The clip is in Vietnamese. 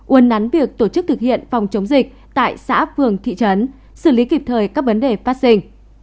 uốn nắn việc tổ chức thực hiện phòng chống dịch tại xã phường thị trấn xử lý kịp thời các vấn đề phát sinh